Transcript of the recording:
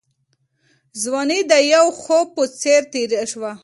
ځواني د یو خوب په څېر تېره شوه.